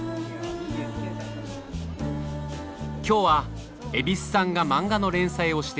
今日は蛭子さんが漫画の連載をしている